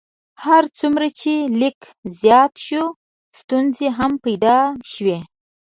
هر څومره چې لیک زیات شو ستونزې هم پیدا شوې.